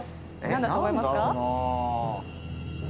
何だと思いますか？